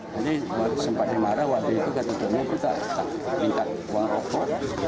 jadi sempat dia marah waktu itu katanya kita minta uang rokok